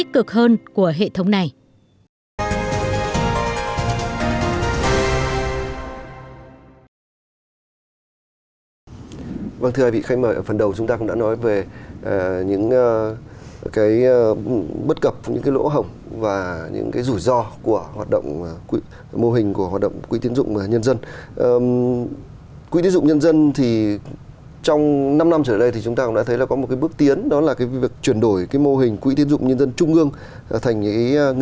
của quỹ tiến dụng nhân dân trung ương